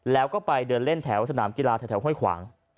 แล้วก็ไปเดินเล่นแถวสนามกีฬาแถวห้วยขวาง